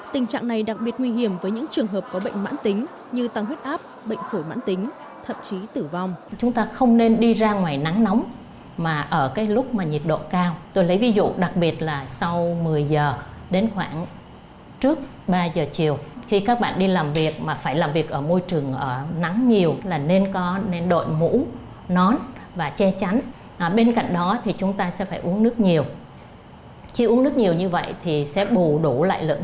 tình trạng này đặc biệt nguy hiểm với những trường hợp có bệnh mãn tính như tăng huyết áp bệnh phổi mãn tính thậm chí tử vong